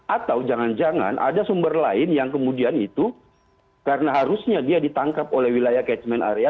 atau jangan jangan ada sumber lain yang kemudian itu karena harusnya dia ditangkap oleh wilayah catchment area